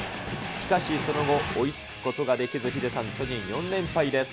しかし、その後、追いつくことができず、ヒデさん、巨人、４連敗です。